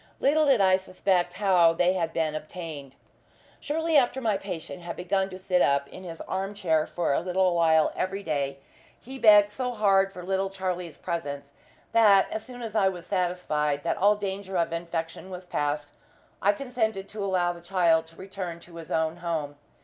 Little did I suspect how they had been obtained. Shortly after my patient had begun to sit up in his arm chair for a little while every day, he begged so hard for little Charlie's presence that, as soon as I was satisfied that all danger of infection was past, I consented to allow the child to return to his own home.